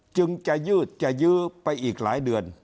จึงจะยืดจะยื้อไปอีกหลายเดือน